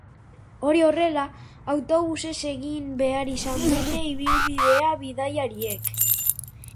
Hori horrela, autobusez egin behar izan dute ibilbidea bidaiariek.